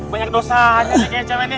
banyak dosa aja kayaknya cewek ini